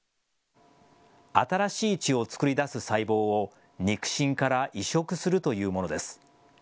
新しい血を作り出す細胞を肉親から移植するというものです。